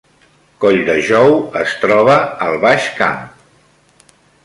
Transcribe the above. Colldejou es troba al Baix Camp